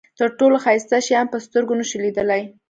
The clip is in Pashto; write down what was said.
تر ټولو ښایسته شیان په سترګو نشو لیدلای.